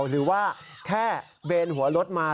หรือว่าแค่เบนหัวรถมา